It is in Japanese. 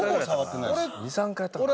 ２３回やったかな？